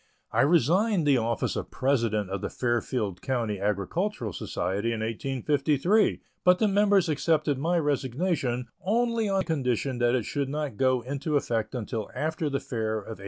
I resigned the office of President of the Fairfield County Agricultural Society in 1853, but the members accepted my resignation, only on condition that it should not go into effect until after the fair of 1854.